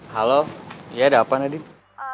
halo ya ada apa nadiem